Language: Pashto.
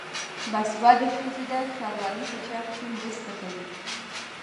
باسواده ښځې د ښاروالۍ په چارو کې مرسته کوي.